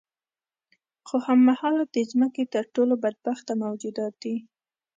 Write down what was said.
خو هم مهاله د ځمکې تر ټولو بدبخته موجودات دي.